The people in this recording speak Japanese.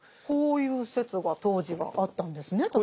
こういう説が当時はあったんですね。